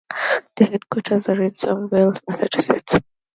The headquarters are in Somerville, Massachusetts.